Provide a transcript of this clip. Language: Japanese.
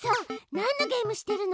なんのゲームしてるの？